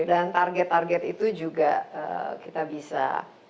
dan target target itu juga kita bisa